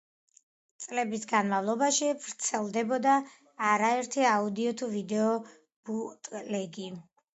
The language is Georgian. წლების განმავლობაში აგრეთვე ვრცელდებოდა არაერთი აუდიო თუ ვიდეო ბუტლეგი.